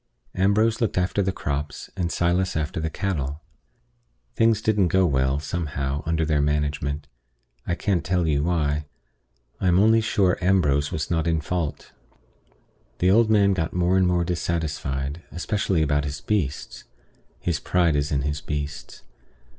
Ambrose looked after the crops, and Silas after the cattle. Things didn't go well, somehow, under their management. I can't tell you why. I am only sure Ambrose was not in fault. The old man got more and more dissatisfied, especially about his beasts. His pride is in his beasts.